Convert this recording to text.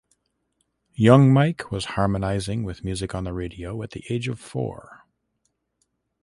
Young Mike was harmonizing with music on the radio at the age of four.